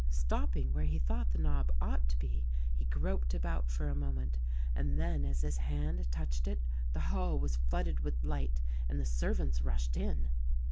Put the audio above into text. Stopping where he thought the knob ought to be he groped about for a moment, and then as his hand touched it, the hall was flooded with light and the servants rushed in.